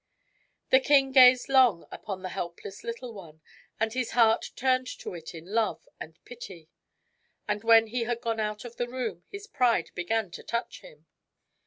The king gazed long upon the helpless little one, and his heart turned to it in love and pity. But when he had gone out of the room his pride began to touch him.